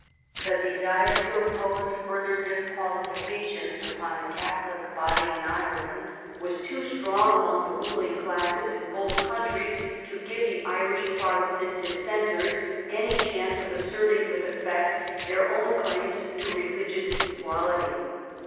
The desire to impose further disqualifications upon the Catholic body in Ireland was too strong among the ruling classes in both countries to give the Irish Protestant dissenters any chance of asserting with effect their own claims to religious equality.